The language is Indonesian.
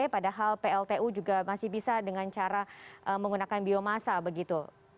padahal pltu juga masih bisa dengan cara menggunakan biomasa begitu